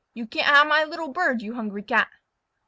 You can't have my little bird, you hungry Cat."